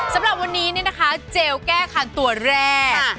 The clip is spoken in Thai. สำหรับวันนี้เนี่ยนะคะเจลแก้คันตัวแรก